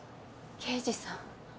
刑事さん。